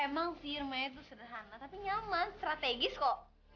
emang firma itu sederhana tapi nyaman strategis kok